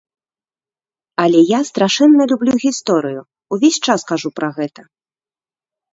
Але я страшэнна люблю гісторыю, увесь час кажу пра гэта.